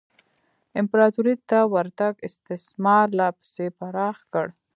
امپراتورۍ ته ورتګ استثمار لا پسې پراخ کړ.